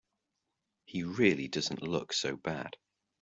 He really doesn't look so bad.